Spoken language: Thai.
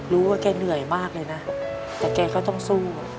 ว่าแกเหนื่อยมากเลยนะแต่แกก็ต้องสู้